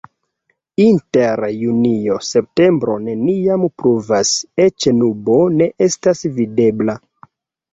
Inter junio-septembro neniam pluvas, eĉ nubo ne estas videbla.